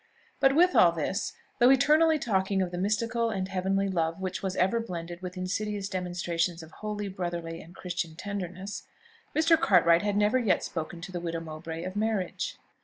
But with all this, though eternally talking of mystical and heavenly love, which was ever blended with insidious demonstrations of holy, brotherly, and Christian tenderness, Mr. Cartwright had never yet spoken to the widow Mowbray of marriage.